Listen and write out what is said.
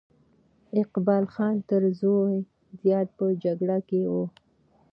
اقبال خان تر زوی زیات په جګړه کې وو.